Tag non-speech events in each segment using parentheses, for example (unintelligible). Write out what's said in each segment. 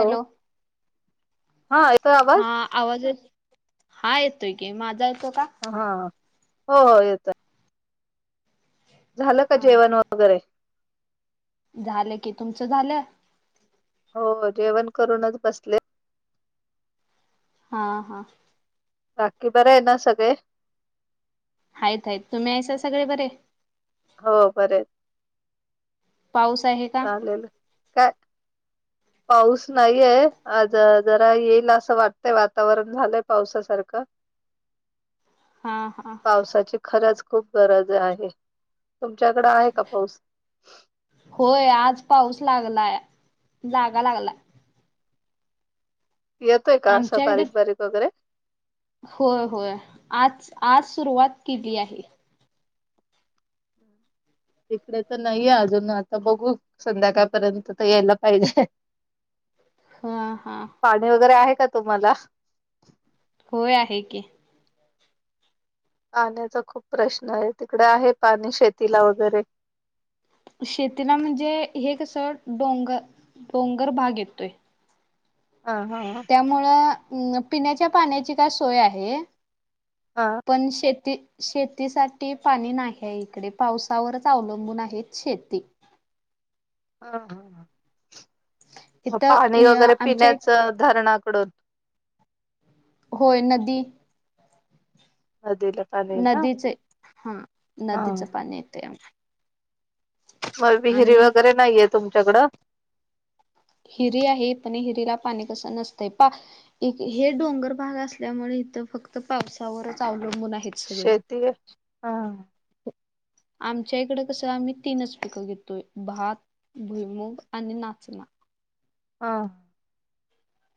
Hello. हा येतोय आवाज हा. आवाज येतोय? हा येतोय की माझा येतो का? हा. हो येतोय. झालं का हा जेवण वगैरे? झालं की. तुमचं झालं? हो. म जेवण करूनच बसले. हा हा. बाकी बरं आहे ना सगळे? आहेत आहेत. तुम्ही यायशल सगळे बरे? हो. बरय. पाऊस आहे. का चालेल. काय? पाऊस नाहीये. आज जरा येईल असं वाटतंय, वातावरण झालंय पावसासारखं. (inaudible) हा पावसाची खरच खूप गरज आहे. तुमच्याकडे आहे का पाऊस? होय आज पाऊस लागलाय. जागा लागला. येतोय का असा आमच्याकडे बारीक बारीक वगैरे? होय होय. आज आज सुरुवात केली आहे. इकडे तर नाहीये अजून आता बघू संध्याकाळपर्यंत तर यायला पाहिजे. हा हा. पाणी वगैरे आहे का तुम्हाला? होय आहे की. पाण्याचा खूप प्रश्न आहे. तिकडे आहे पाणी शेतीला वगैरे. शेतीला म्हणजे, हे कसं डोंगर, डोंगर भाग येतोय. ह ह हा. त्यामुळं, पिण्याच्या पाण्याची काय सोय आहे. हा. पण शेती- शेतीसाठी पाणी नाहीये इकडे. पावसावरच अवलंबून आहेत शेती. हा हा मग पाणी इथं वगैरे आमच्या एक पिण्याचं धरणाकडून होय नदी अला नदीचे हा हा नदीच पाणी येते मग विहिरी आणि वगैरे नाहीये तुमच्याकडं हिरी आहे पण हिरीला पाणी कसं नसतंय पा हे डोंगर भाग असल्यामुळे इथं फक्त पावसावरच अवलंबून आहेत सगळे शेती ह आमच्या इकड कसं आम्ही तीनच पिकं घेतोय भात, भुईमुग आणि नाचना हा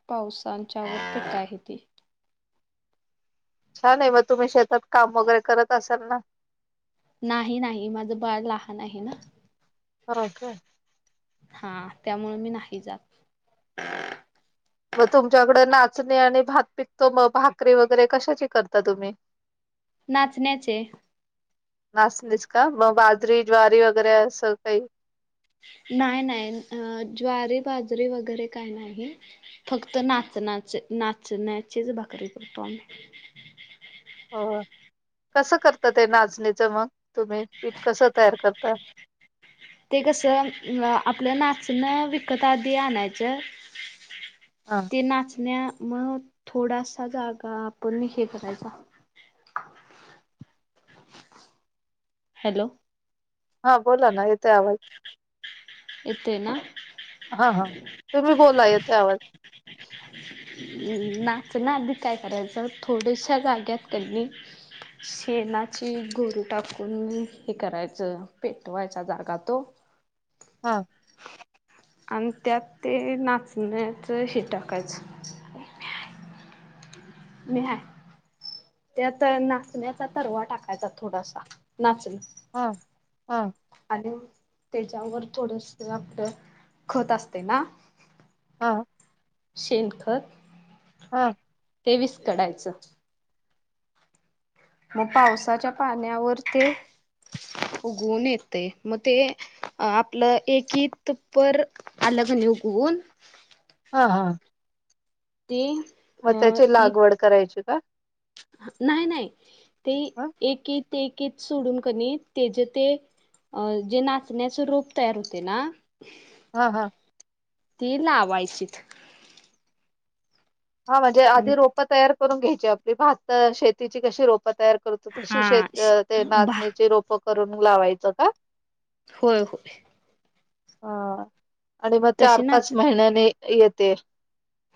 पावसांच्या वर पीक आहे ते छान आहे मग तुम्ही शेतात काम वगैरे करत असाल ना नाही नाही माझं बाळ लहान आहे ना ह काय हा त्यामुळं मी नाही जात मग तुमच्याकड नाचणी आणि भात पिकतो मग भाकरी वगैरे कशाची करता तुम्ही? नाचण्याचे नाचणीच का मग बाजरी, ज्वारी वगैरे असं काही नाही नाही ज्वारी, बाजरी वगैरे काय नाही फक्त नाचण्याच नाचण्याचीच भाकरी करतो आम्ही हो कसं करता ते नाचणीचं मग तुम्ही पीठ कसं तयार करता ते कसं आपलं नाचणं विकत आधी आणायचं हां ते नाचण्या मग थोडासा जागा आपण हे करायचा हॅलो हा बोला ना येतोय आवाज इथे ना हा हा तुम्ही बोला येतोय आवाज पण इथे का ठेवलंय नाचणं आधी काय करायचं थोड्याशा जाग्यात की नाही शेणाची गौरी टाकून हे करायचं पेटवायचा जागा तो. ह आणि त्यात ते नाचण्याचं हे टाकायचं. मी हाय त्यात नाचण्याचा तरवा टाकायचा थोडासा नाचणं. हा हा आणि त्याच्यावर थोडस आपलं खत असते ना हा शेनखत हा तेवीस काढायचं मग पावसाच्या पाण्यावर ते उघवून येतय मग ते आपलं एकत पर अलग निवघून हा हा ते मग अ त्याची इत लागवड करायची का नाही नाही ते ह एक एकत सोडून कनी तेच ते अ जे नाचण्याच रूप तयार होते ना हा हा ती लावायची हा म्हणजे आणि आधी रोपं तयार करून घ्यायची आपली भातं शेतीची कशी रोप रोप तयार करतो तशी हा शेत ते बा नाचण्याची रोप करून लावायचं का? होय होय हा आणि मग चार तशी पाच नाच महिन्याने येते.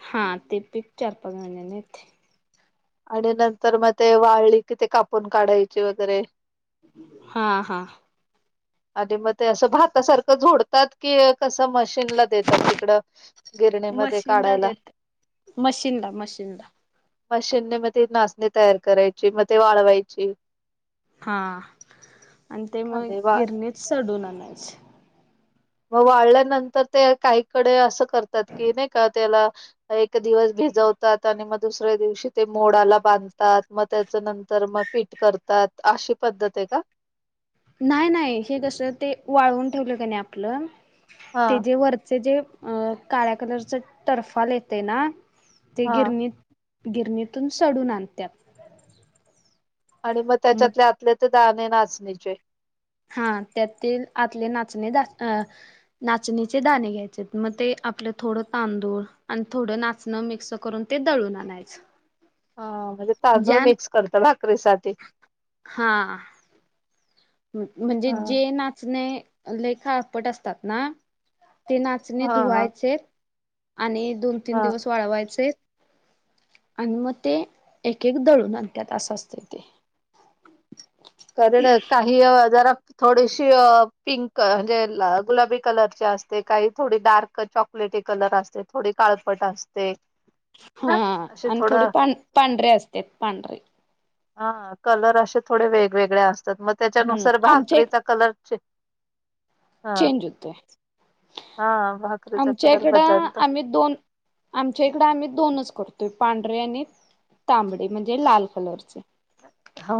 हा ते पीक चार-पाच महिन्याने येते. आणि नंतर मग ते वाळळी कि ते कापून काढायची वगैरे हा हा आणि मग ते असं भातासारखं झोडतात की कसं मशीनला देतात तिकडं गिरणीमध्ये मशीनला काढायला देत मशीनला मशीनला मशीनने मग ते नाचणी तयार करायची मग ते वाळवायची हा आणि अन ते आणि मग वाळ गिरणीच सढून आणायचे. म वाळल्यानंतर ते काहीकडे असं करतात की नाही का त्याला एक दिवस भिजवतात आणि मग दुसऱ्या दिवशी ते मोडाला बांधतात मग त्याच नंतर मग पीठ करतात अशी पद्धत आहे का? नाही नाही हे जस ते वाळवून ठेवलं का नाही आपलं ते हा जे वरचे जे अ काळ्या कलरचा टर्फाल येते ना ते हा गिरणीत गिरणीतून सडून आणत्यात आणि मग त्याच्यातले आतले ते दाणे नाचणीचे हा त्यातील आतले नाचणे अ नाचणीचे दाणे घ्यायचे मग ते आपलं थोडं तांदूळ आणि थोडं नाच मिक्स करून ते दळून आणायच हा म्हणजे तांदूळ मिक्स करत भाकरीसाठी? हा. म्हणजे हा जे नाचणे ले काळपट असतात ना ते नाचणे हा हा धुवायचे आणि दोन तीन हा दिवस वाळवायचे आणि मग ते एक एक दळून आणत्यात असं असतं ते क ना काही जरा (unintelligible) थोडीशी पिंक म्हणजे गुलाबी कलर असते काही थोडी डार्क चॉक काळपट कलर असते थोडी काळपट असते. हा ना असे आणि थोडे थोडं पां पांढरे असत पांढरे हा कलर असे थोडे वेगवेगळे असतात मग हम्म त्याच्यानुसार आमच्या एक भाकरीचा कलर चेंज चेंज होतय, हा भाकरीचा आमच्या कलर इकड बदलता आम्ही दोन आमच्या इकडें आम्ही दोनच करतोय पांढरे आणि तांबडी म्हणजे लाल कलरचे हा.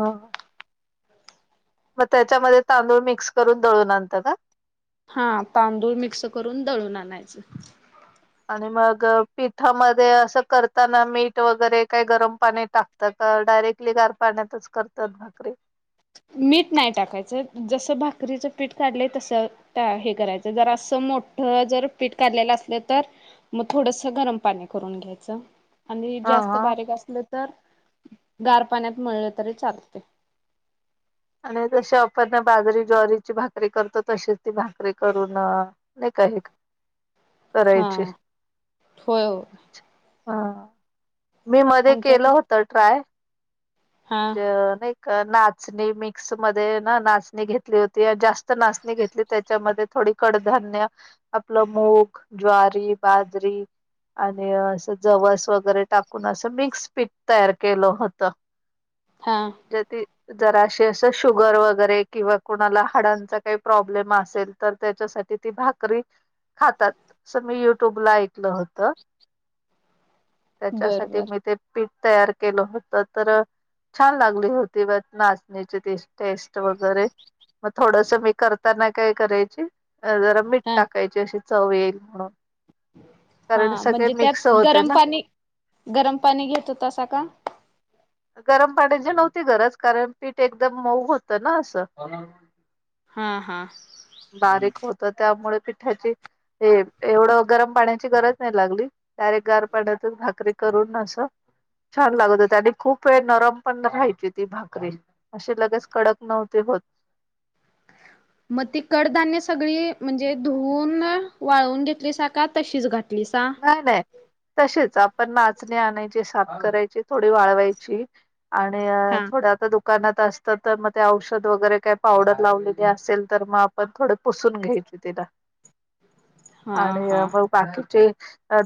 मग त्याच्यामध्ये तांदूळ मिक्स करून दळून आणंतात का? हा तांदूळ मिक्स करून दळून आणायचं आणि मग पिठामध्ये असं करताना मीठ वगैरे काय गरम पाणी टाक तर डायरेक्टली गार पाण्यातच करतात भाकरी? मीठ नाही टाकायचं जसं भाकरीचं पीठ काढलंय तस हे करायचं जर असं मोठं जर पीठ काढलेलं असलं तर मग थोडसं गरम पाणी करून घ्यायचं. आणि हा जास्त हा बारीक असलं तर गार पाण्यात मळलं तरी चालतय आणि जसे आपण बाजरी, ज्वारीची भाकरी करतो तशीच ती भाकरी करून नाही का हे (unintelligible) करायची होय हो हा. मी मध्ये आमच्या केलं इकडे होत ट्राय हा म्हणजे नाही का नाच चणी मिक्स मध्ये ना नाचणी घेतली होती, जास्त नाचणी घेतली त्याच्यामध्ये थोडी कडधान्य आपलं मूग ज्वारी बाजरी आणि असं जवस वगैरे टाकून असं मिक्स पीठ तयार केलं होतं. हां. (unintelligible) जरास असं शुगर वगैरे किंवा कुणाला हाडांचा काही प्रॉब्लेम असेल तर त्याच्यासाठी ति भाकरी खातात असं मी युट्यूबला ऐकलं होत. (unintelligible) त्याच्यासाठी बर मी ते पीठ तयार केलं होतं तर छान लागली होती व नाचणीची ते टेस्ट वगैरे मग थोडस मी करताना काय करायची जरा मीठ हा टाकायची अशी चव येईल म्हणून हा कारण सगळे म्हणजे मिक्स त्यात होते गरम ना पाणी गरम पाणी घेतो तसा का? गरम पाण्याची नव्हती गरज कारण पीठ एकदम मऊ होतं ना असं हा हा बारीक होत त्यामुळे पिठाची एवढं गरम पाण्याची गरज नाही लागली. डायरेक्ट गार पाण्यातच भाकरी करून असं छान लागत होते आणि खूप वेळ नरम पण राहायची ती भाकरी असे लगेच कडक नव्हते होत. मग ती कडधान्य सगळी म्हणजे धुवून वाळवून घेतलीसा का तशीच घातलीसा नाही नाही तसेच आपण नाचणी आणायची, साफ करायची, थोडी वाळवायची आणि हा थोडं आता दु दुकानात असत तर मग ते औषध वगैरे काय पावडर लावलेले असेल तर मग आपण थोडं पुसून घ्यायचे तिला (unintelligible) हा आणि हा मग बाकीचे?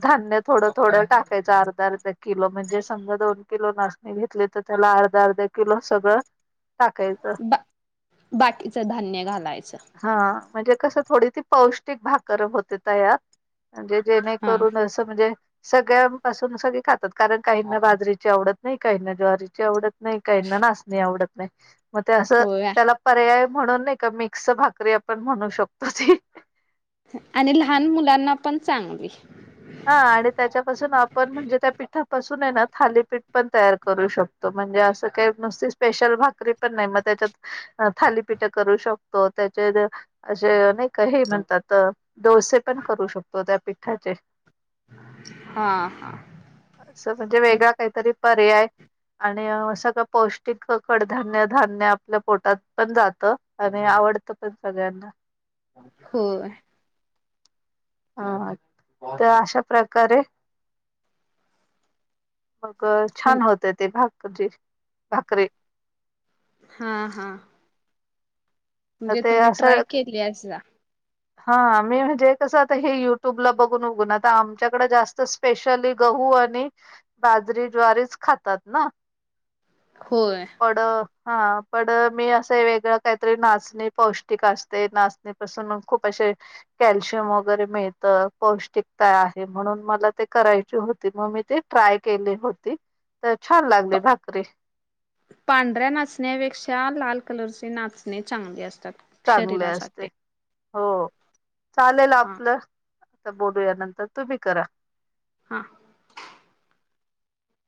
धान्य थोडं थोडं टाकायचं अर्धा आर्धा किलो म्हणजे समजा दोन किलो नात घेतले तर त्याला अर्धा अर्धा किलो सगळं टाकायचं बा बाकीचं धान्य घालायचं हा म्हणजे कस थोडी ती पौष्टिक भाकर होते तयार, म्हणजे हा जेणेकरून म्हणजे सगळ्यां पासून सगळेच खातात कारण काहीना बाजरीची आवडत नाही काहीना ज्वारीची आवडत नाही नाही काहीना नाच नाही आवडत नाही मग ते असं होय त्याला पर्याय म्हणून नाही का मिक्स भाकरी आपण म्हणू शकतो ती आणि लहान मुलांना पण चांगली हा आणि त्याच्यापासून आपण म्हणजे त्या पिठापासून आहे ना थालीपीठ पण तयार करू शकतो. म्हणजे असं काही नुसती स्पेशल भाकरी पण नाही मग त्याच्यात अ थालीपीठ करू शकतो त्याचे असे नाही का हे म्हणतात डोसे पण करू शकतो त्या पिठाचे हा हा असं म्हणजे मग वेगळा काहीतरी पर्याय आणि सगळं पौष्टिक कडधान्य धान्य आपल्या पोटात पण जातं आणि आवडतं प तर सगळ्यांना होय हा ह् तर अशा प्रकारे मग म्हण छान होतय ते भाकजी जे भाकरीे ह्म हा तर म्हणजे ते तुम्ही ट्राय असं केल्यायसा हा मी म्हणजे कसं आता हे युट्यूबला बघून बघून आता आमच्याकडें जास्त स्पेशली गहू आणि बाजरी ज्वारीच खातात ना होय पड हा पड मी असं वेगळं काहीतरी नाच पौष्टिक असतंय नाचणीपासून खूप असे कॅल्शियम वगैरे मिळतं पौष्टिकता आहे म्हणून मला ते करायची होती. मग मी ते ट्राय केली होती, तर छान लागली प भाकरी पांढऱ्या नाचण्यापेक्षा लाल कलरचे नाचणी चांगले असतात. चांगले असते. शरीरासाठी हो चालेल हा आपलं बोलू या नंतर तुम्ही करा हा